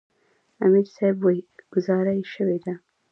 امیر صېب وې " ګذاره ئې شوې ده ـ